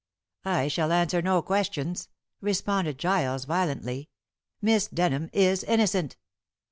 "I shall answer no questions," responded Giles violently. "Miss Denham is innocent."